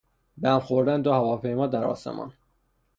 به هم خوردن دو هواپیما در آسمان